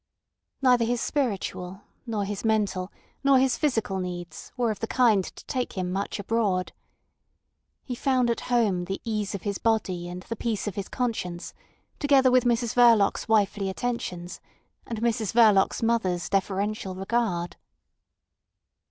Neither his spiritual, nor his mental, nor his physical needs were of the kind to take him much abroad. He found at home the ease of his body and the peace of his conscience, together with Mrs Verloc's wifely attentions and Mrs Verloc's mother's deferential regard.